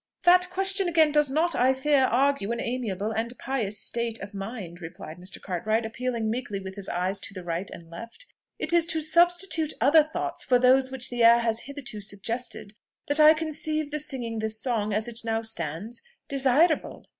"That question again, does not, I fear, argue an amiable and pious state of mind," replied Mr. Cartwright, appealing meekly with his eyes to the right and left. "It is to substitute other thoughts for those which the air has hitherto suggested that I conceive the singing this song, as it now stands, desirable."